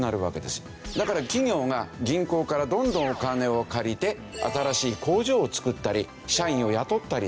だから企業が銀行からどんどんお金を借りて新しい工場を造ったり社員を雇ったりする。